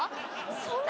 そんな。